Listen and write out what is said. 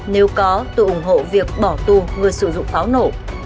nếu có tôi ủng hộ việc bỏ tù người sử dụng pháo nổ